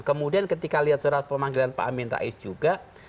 kemudian ketika lihat surat pemanggilan pak amin rais juga